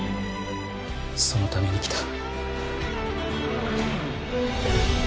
そのために来た。